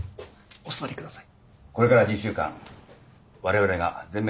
お座りください。